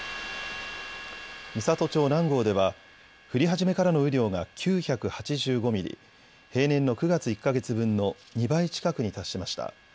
美郷町南郷では、降り始めからの雨量が９８５ミリ、平年の９月１か月分の２倍近くに達しました。